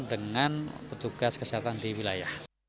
dengan petugas kesehatan di wilayah